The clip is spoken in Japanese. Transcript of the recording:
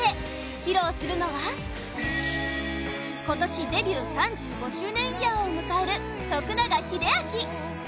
披露するのは今年デビュー３５周年イヤーを迎える、徳永英明